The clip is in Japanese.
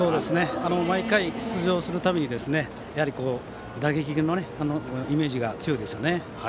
毎回、出場する度に打撃のイメージが強いですね。